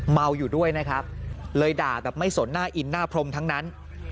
เมาอยู่ด้วยนะครับเลยด่าแบบไม่สนหน้าอินหน้าพรมทั้งนั้น